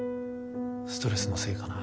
ストレスのせいかな